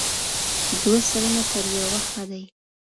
دوه سرونه تر يوه ښه دي.